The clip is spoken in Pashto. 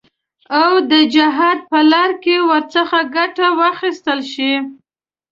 او د جهاد په لاره کې ورڅخه ګټه واخیستل شي.